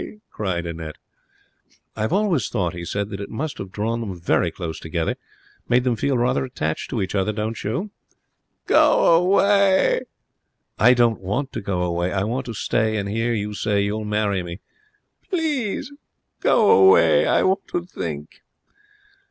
cried Annette. 'I've always thought,' he said, 'that it must have drawn them very close together made them feel rather attached to each other. Don't you?' 'Go away!' 'I don't want to go away. I want to stay and hear you say you'll marry me.' 'Please go away! I want to think.'